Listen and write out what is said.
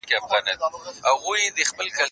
زه له سهاره د تکړښت لپاره ځم؟!